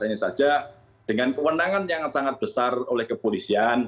hanya saja dengan kewenangan yang sangat besar oleh kepolisian